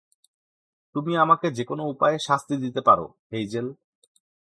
তুমি আমাকে যে কোন উপায়ে শাস্তি দিতে পারো, হেইজেল।